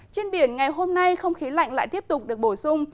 trên biển ngày hôm nay không khí lạnh lại tiếp tục được bổ sung